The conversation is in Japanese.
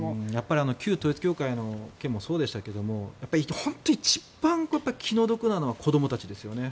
旧統一教会の件もそうでしたが本当に一番気の毒なのは子どもたちですよね。